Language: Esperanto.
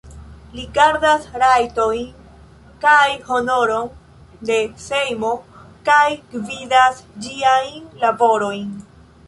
Li gardas rajtojn kaj honoron de Sejmo kaj gvidas ĝiajn laborojn.